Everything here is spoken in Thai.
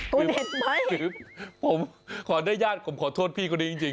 เด็ดไหมหรือผมขออนุญาตผมขอโทษพี่คนนี้จริง